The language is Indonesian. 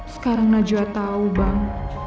sekarang najwa tahu bang